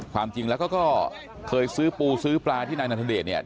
ความจริงแล้วเขาก็เคยซื้อปูซื้อปลาที่นายนัทเดชเนี่ย